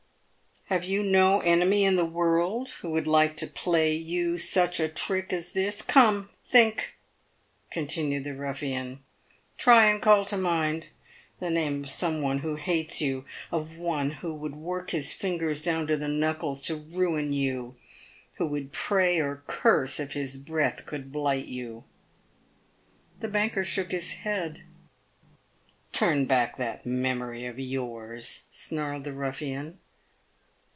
" Have you no enemy in the world who would like to play you such a trick as this ? Come, think !" continued the ruffian. "Try and call to mind the name of some one who hates you ; of one w r ho would work his fingers down to the knuckles to ruin you ; who would pray or curse if his breath could blight you." The banker shook his head. " Turn back that memory of yours," snarled the ruffian.